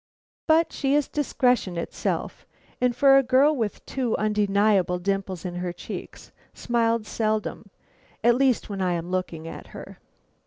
But she is discretion itself, and for a girl with two undeniable dimples in her cheeks, smiles seldom at least when I am looking at her.